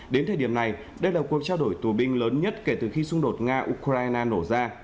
đến thời điểm này đây là cuộc trao đổi tù binh lớn nhất kể từ khi xung đột nga ukraine nổ ra